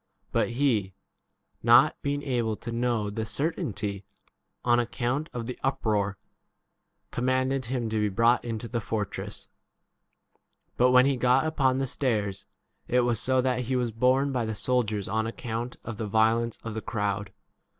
But he, not being able to know the certainty on account of the uproar, commanded him to be 35 brought into the fortress. But when he got upon the stairs it was so that he was borne by the soldiers on account of the violence 36 of the crowd.